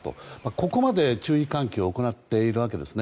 ここまで注意喚起を行っているわけですね。